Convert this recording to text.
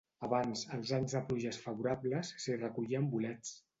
Abans, els anys de pluges favorables, s'hi recollien bolets.